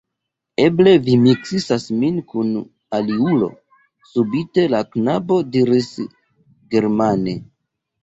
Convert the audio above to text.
Eble vi miksas min kun aliulo, subite la knabo diris germane.